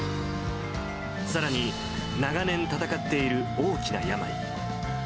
さらに、長年、闘っている大きな病。